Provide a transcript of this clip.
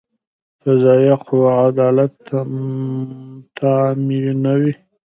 قضایه قوه عدالت تامینوي